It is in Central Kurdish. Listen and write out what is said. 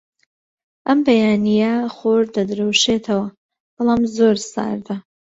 ئەم بەیانییە خۆر دەدرەوشێتەوە، بەڵام زۆر ساردە.